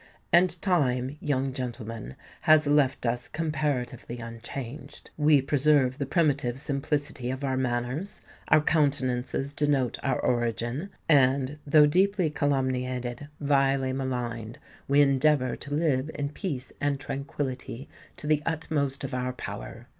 And Time, young gentleman, has left us comparatively unchanged; we preserve the primitive simplicity of our manners; our countenances denote our origin; and, though deeply calumniated—vilely maligned, we endeavour to live in peace and tranquillity to the utmost of our power.